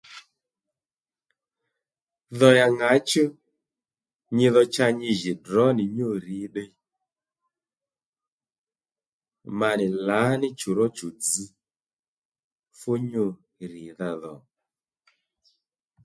Dho ya ŋǎchú nyi dho cha nyi jì drǒ nì nyû rì ddiy? Ma nì lǎní chù ró chù dzž fú nyû rìdha dhò